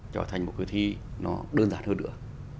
trở thành một cái thi nó đơn giản hơn nữa